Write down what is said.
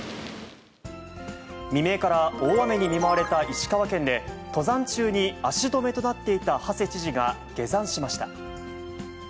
未明から大雨に見舞われた石川県で、登山中に足止めとなっていた馳知事が、下山しました。